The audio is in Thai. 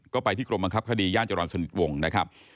ก็ไปที่กรมบังคับคดีย่านจรรย์สนิทวงศ์นะครับ